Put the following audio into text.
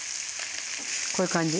こういう感じ。